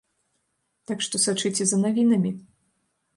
Так што сачыце за навінамі.